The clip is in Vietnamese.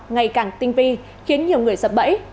ngày càng tinh vi khiến nhiều người sập bẫy